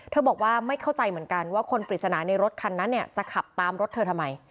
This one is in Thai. บอกว่าไม่เข้าใจเหมือนกันว่าคนปริศนาในรถคันนั้นเนี่ยจะขับตามรถเธอทำไม